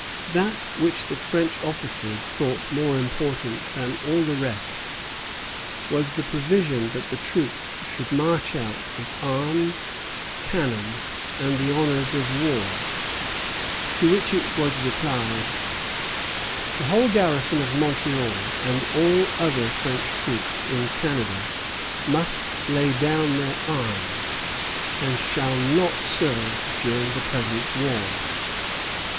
That which the French officers thought more important than all the rest was the provision that the troops should march out with arms, cannon, and the honors of war; to which it was replied: "The whole garrison of Montreal and all other French troops in Canada must lay down their arms, and shall not serve during the present war."